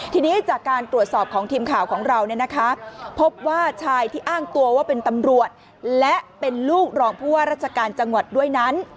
ทีนี้จากการตรวจสอบของทีมข่าวของเราเนี่ยนะคะพบว่าชายที่อ้างตัวว่าเป็นตำรวจและเป็นลูกรองผู้ว่าราชการจังหวัดด้วยนั้น